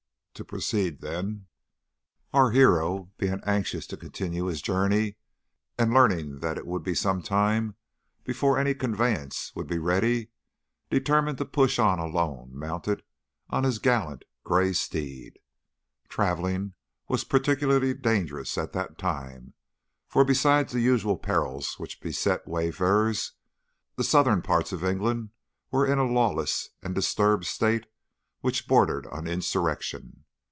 To proceed then: "Our hero, being anxious to continue his journey, and learning that it would be some time before any conveyance would be ready, determined to push on alone mounted on his gallant grey steed. Travelling was particularly dangerous at that time, for besides the usual perils which beset wayfarers, the southern parts of England were in a lawless and disturbed state which bordered on insurrection.